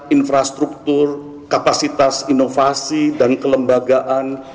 infrastruktur kapasitas inovasi dan kelembagaan